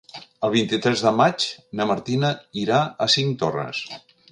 El vint-i-tres de maig na Martina irà a Cinctorres.